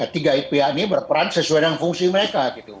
tiga pihak ini berperan sesuai dengan fungsi mereka